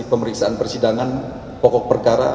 pemeriksaan persidangan pokok perkara